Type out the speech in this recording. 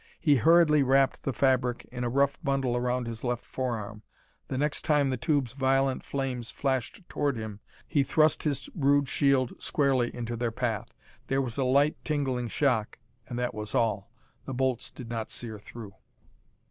He hurriedly wrapped the fabric in a rough bundle around his left forearm. The next time the tubes' violet flames flashed toward him he thrust his rude shield squarely into their path. There was a light tingling shock, and that was all. The bolts did not sear through.